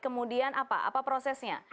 kemudian apa apa prosesnya